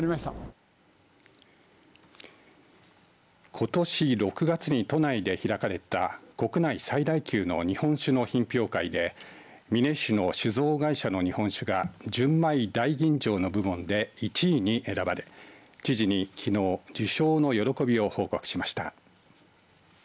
ことし６月に都内で開かれた国内最大級の日本酒の品評会で美祢市の酒造会社の日本酒が純米大吟醸の部門で１位に選ばれ知事にきのう受賞の喜びを報告しました。